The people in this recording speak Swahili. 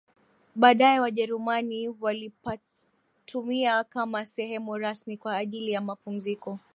Baadae wajerumani walipatumia kama sehemu rasmi kwa ajili ya mapumziko